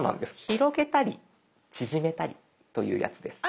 広げたり縮めたりというやつです。